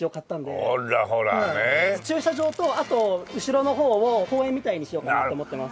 駐車場とあと後ろの方を公園みたいにしようかなと思ってます。